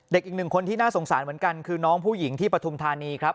อีกหนึ่งคนที่น่าสงสารเหมือนกันคือน้องผู้หญิงที่ปฐุมธานีครับ